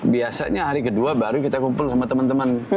biasanya hari kedua baru kita kumpul sama teman teman